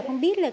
không biết là